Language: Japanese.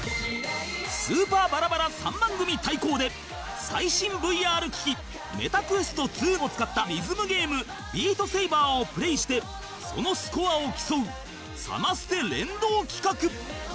スーパーバラバラ３番組対抗で最新 ＶＲ 機器 ＭｅｔａＱｕｅｓｔ２ を使ったリズムゲーム『ＢｅａｔＳａｂｅｒ』をプレイしてそのスコアを競うサマステ連動企画